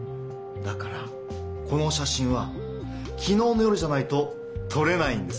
だからこの写真はきのうの夜じゃないととれないんですよ。